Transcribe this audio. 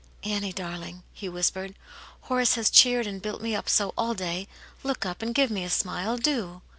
"Annie, darling," he whispered, "Horace has cheered and built me up so all day. Look up, and give me a smile, do